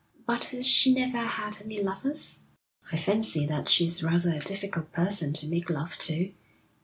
'But has she never had any lovers?' 'I fancy that she's rather a difficult person to make love to.